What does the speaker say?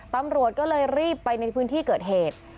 ตำรวจก็เลยรีบไปในพื้นที่เกิดเหตุ